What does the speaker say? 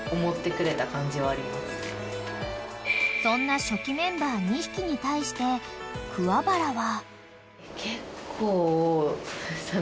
［そんな初期メンバー２匹に対して桑原は］